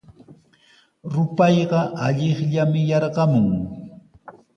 Rupayqa allaqllami yarqamun.